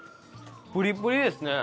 プリプリですね。